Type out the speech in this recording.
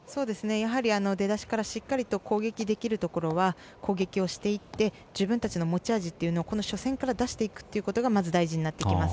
出だしからしっかりと攻撃できるところは攻撃をしていって自分たちの持ち味を初戦から出していくということがまず大事になっていきます。